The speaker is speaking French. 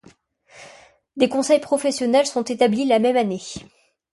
Des conseils professionnels sont établis la même année.